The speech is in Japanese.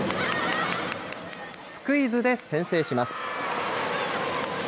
スクイズで先制します。